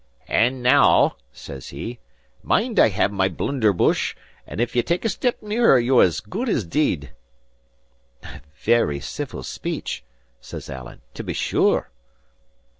"And, now" says he, "mind I have my blunderbush, and if ye take a step nearer ye're as good as deid." "And a very civil speech," says Alan, "to be sure."